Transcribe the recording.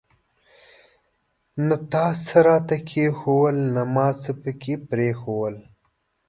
نه تا څه راته کښېښوول ، نه ما څه پکښي پريښودل.